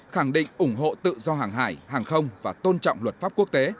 khẳng định ủng hộ tự do hàng hải hàng không và tôn trọng luật pháp quốc tế